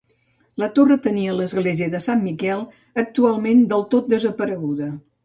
La Torre tenia l'església de Sant Miquel, actualment del tot desapareguda.